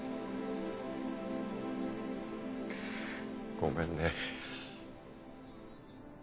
ごめんね